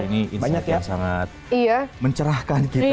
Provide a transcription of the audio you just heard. ini insight yang sangat mencerahkan kita